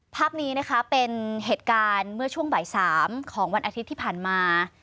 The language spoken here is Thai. ภาพนี้นะคะเป็นเหตุการณ์เมื่อช่วงบ่าย๓ของวันอาทิตย์ที่ผ่านมา